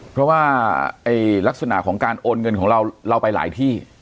เพราะว่าลักษณะของการโอนเงินของเราเราไปหลายที่